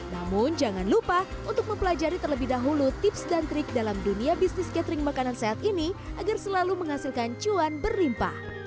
namun jangan lupa untuk mempelajari terlebih dahulu tips dan trik dalam dunia bisnis catering makanan sehat ini agar selalu menghasilkan cuan berlimpah